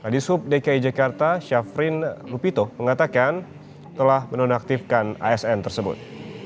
di sub dki jakarta syafrin lupito mengatakan telah menonaktifkan asn tersebut